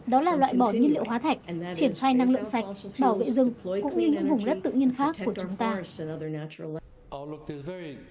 đó là loại bỏ nhiên liệu hóa thạch triển khai năng lượng sạch bảo vệ rừng cũng như những vùng đất tự nhiên khác của chúng ta